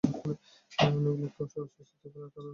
অনেক লোককে অস্বস্তিতে ফেলার কারণে আমার বাবা মারা গেছেন।